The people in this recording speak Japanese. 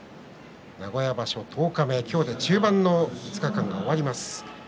名古屋場所十日目今日で中盤の５日間が終わります。